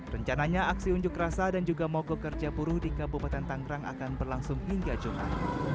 rencananya aksi unjuk rasa dan juga mogok kerja buruh di kabupaten tanggerang akan berlangsung hingga jumat